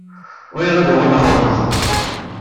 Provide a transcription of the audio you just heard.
Bɣiɣ ad uɣaleɣ ɣer wexxam.